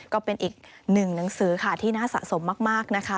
ก็เป็นอีกหนึ่งหนังสือค่ะที่น่าสะสมมากนะคะ